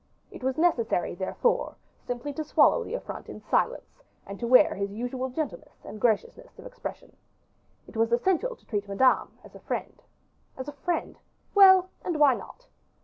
It was necessary, therefore, simply to swallow the affront in silence, and to wear his usual gentleness and graciousness of expression. It was essential to treat Madame as a friend. As a friend! Well, and why not?